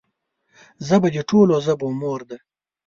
ژبه د ټولو ژبو مور ده